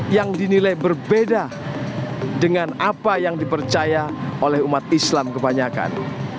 yang dinilai berbeda dengan apa yang dipercaya oleh umat islam kebanyakan